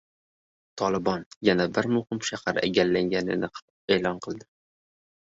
"Tolibon" yana bir muhim shahar egallanganini e’lon qildi